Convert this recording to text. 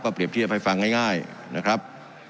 เปรียบเทียบให้ฟังง่ายนะครับ